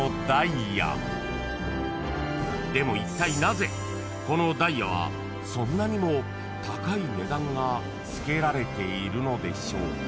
［でもいったいなぜこのダイヤはそんなにも高い値段が付けられているのでしょうか］